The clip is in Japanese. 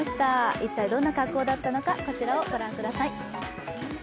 一体どんな格好だったのか、こちらを御覧ください。